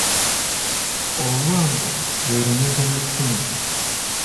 Olwango lwe lunyago lw’effumu.